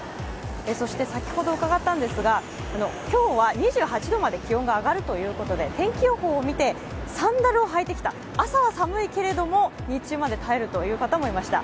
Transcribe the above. そして先ほど伺ったんですが今日は２８度まで気温が上がるという天気予報を見て、サンダルを履いてきた朝は寒いけれども日中まで耐えるという方もいました。